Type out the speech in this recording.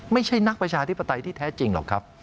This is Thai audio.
ไม่ใช่นักประชาธิปไตยที่แท้จริงหรอกครับ